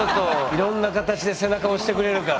いろんな形で背中を押してくれるから。